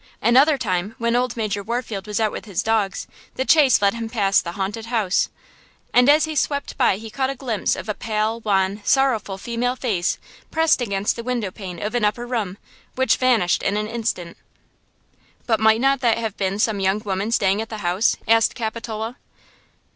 Another time, when old Major Warfield was out with his dogs, the chase led him past the haunted house, and as he swept by he caught a glimpse of a pale, wan, sorrowful female face pressed against the window pane of an upper room; which vanished in an instant. "But might not that have been some young woman staying at the house?" asked Capitola.